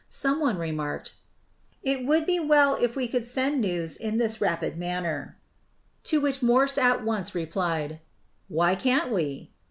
Some one remarked, "It would be well if we could send news in this rapid manner"; to which Morse at once replied, "Why can't we?"